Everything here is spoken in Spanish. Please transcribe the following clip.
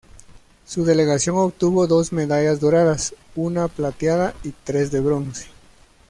Su delegación obtuvo dos medallas doradas, una plateada y tres de bronce.